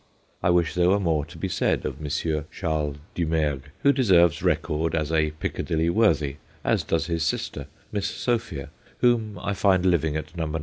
I wish there were more to be said of M. Charles Dumergue, who deserves record as a Piccadilly worthy, as does his sister, Miss Sophia, whom I find living at No.